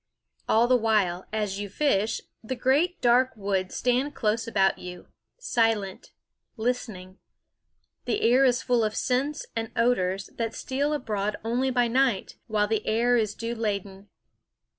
THE WOODS All the while, as you fish, the great dark woods stand close about you, silent, listening. The air is full of scents and odors that steal abroad only by night, while the air is dew laden.